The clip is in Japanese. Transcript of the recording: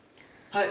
はい！